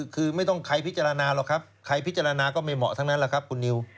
คือไม่ต้องใครพิจารณาหรอกครับใครพิจารณาก็ไม่เหมาะทั้งนั้นแหละครับคุณนิว